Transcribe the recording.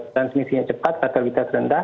transmisinya cepat fatalitas rendah